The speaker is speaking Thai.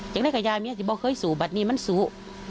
อย่างไรกับยาแม่สิบ่เคยสู้ป่ะเนี่ยมันสู้